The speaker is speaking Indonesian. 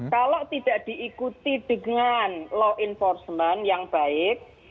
kalau tidak diikuti dengan law enforcement yang baik